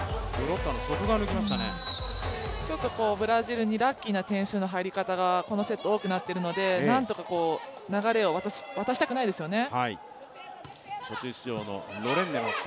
ブラジルにラッキーな点数の入り方がこのセット、多くなっているのでなんとか流れを渡したくないですよね。